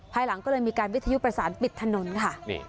ภายหลังก็เลยมีการวิทยุประสานปิดถนนค่ะ